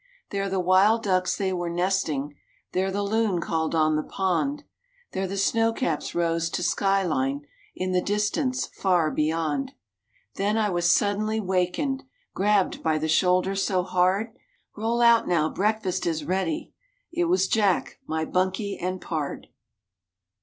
There the wild ducks they were nesting, There the loon called on the pond, There the snow caps rose to sky line In the distance far beyond. Then I was suddenly wakened, Grabbed by the shoulder so hard, "Roll out now, breakfast is ready!" It was Jack, my "bunkie" and "pard."